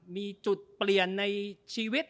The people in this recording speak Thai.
มีจุดเปลี่ยนในชีวิต